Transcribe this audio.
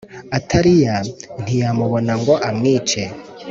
Ataliya ntiyamubona ngo amwice.